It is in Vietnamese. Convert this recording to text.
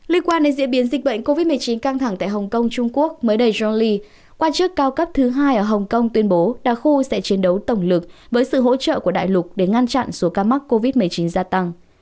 liên quan đến diễn biến dịch bệnh covid một mươi chín căng thẳng tại hồng kông trung quốc mới đầy jory quan chức cao cấp thứ hai ở hồng kông tuyên bố đa khu sẽ chiến đấu tổng lực với sự hỗ trợ của đại lục để ngăn chặn số ca mắc covid một mươi chín gia tăng